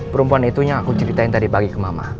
perempuan itu yang aku ceritain tadi pagi ke mama